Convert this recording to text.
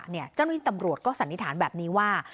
เจ้าหน้าที่ตำรวจก็สันนิษฐานแบบนี้ว่า